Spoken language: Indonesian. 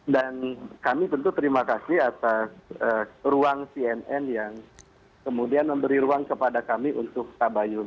dan kami tentu terima kasih atas ruang cnn yang kemudian memberi ruang kepada kami untuk tabayun